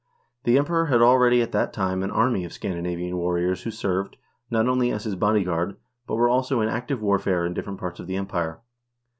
The Emperor had already at that time an army of Scandinavian warriors who served, not only as his bodyguard] but were also used in active warfare in different parts of the Empire.